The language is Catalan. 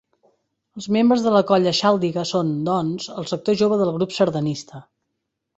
Els membres de la Colla Xàldiga són, doncs, el sector jove del grup sardanista.